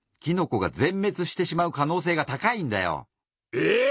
えっ！